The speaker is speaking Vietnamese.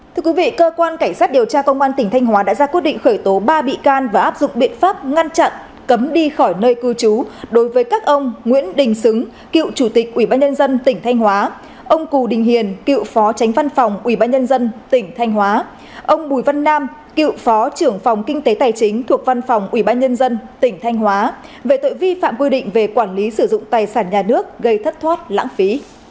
thưa quý vị cơ quan cảnh sát điều tra công an tỉnh thanh hóa đã ra quyết định khởi tố ba bị can và áp dụng biện pháp ngăn chặn cấm đi khỏi nơi cư trú đối với các ông nguyễn đình xứng cựu chủ tịch ubnd tỉnh thanh hóa ông cù đình hiền cựu phó tránh văn phòng ubnd tỉnh thanh hóa ông bùi văn nam cựu phó trưởng phòng kinh tế tài chính thuộc văn phòng ubnd tỉnh thanh hóa về tội vi phạm quy định về quản lý sử dụng tài sản nhà nước gây thất thoát lãng phí